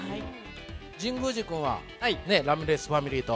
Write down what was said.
神宮寺君は、ラミレスファミリーと。